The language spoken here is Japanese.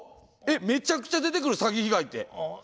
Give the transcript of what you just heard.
めちゃくちゃ出てくる詐欺被害って。